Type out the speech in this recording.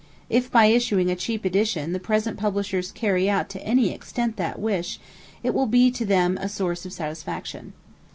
If by issuing a cheap edition the present Publishers carry out to any extent that wish, it will be to them a source of satisfaction.